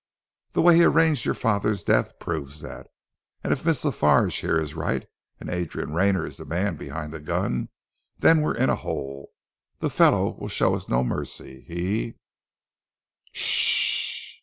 The way he arranged your father's death proves that, and if Miss La Farge here is right, and Adrian Rayner is the man behind the gun, then we're in a hole. The fellow will show us no mercy. He " "S s s h h!"